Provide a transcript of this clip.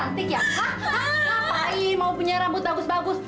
kamu itu cantik ya hah hah ngapain mau punya rambut bagus bagus